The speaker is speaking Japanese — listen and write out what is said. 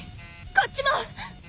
こっちも！